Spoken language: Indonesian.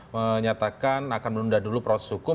menyatakan akan menunda dulu proses hukum